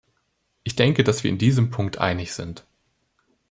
Ich denke, dass wir in diesem Punkt einig sind.